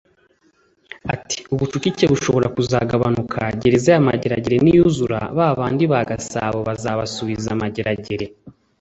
Ati “Ubucucike bushobora kuzagabanuka Gereza ya Mageragere niyuzura babandi ba Gasabo bazabasubiza Mageragere